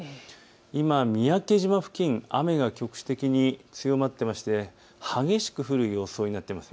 今、三宅島付近、雨が局地的に強まっていまして激しく降る予想になっています。